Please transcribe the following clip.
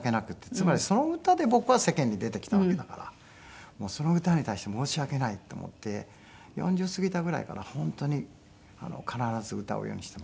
つまりその歌で僕は世間に出てきたわけだからその歌に対して申し訳ないと思って４０過ぎたぐらいから本当に必ず歌うようにしていますね。